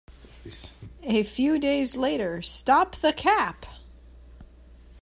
A few days later, Stop The Cap!